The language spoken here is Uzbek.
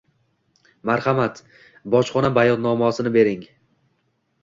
Marhamat, bojxona bayonnomasini bering.